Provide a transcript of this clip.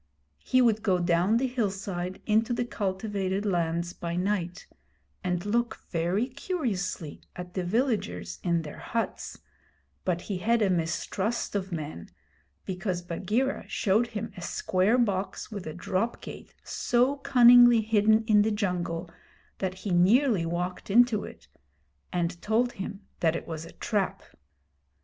He would go down the hillside into the cultivated lands by night, and look very curiously at the villagers in their huts, but he had a mistrust of men because Bagheera showed him a square box with a drop gate so cunningly hidden in the jungle that he nearly walked into it, and told him that it was a trap.